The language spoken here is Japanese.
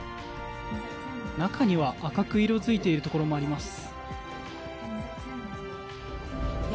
中には赤く色づいているところもあります。